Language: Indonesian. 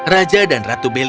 raja dan ratu belinda